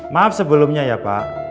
maaf sebelumnya ya pak